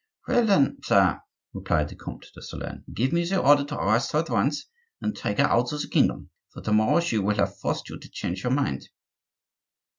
"Well, then, sire," replied the Comte de Solern, "give me the order to arrest her at once and take her out of the kingdom; for to morrow she will have forced you to change your mind."